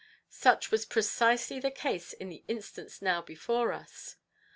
Such was precisely the case in the instance now before us.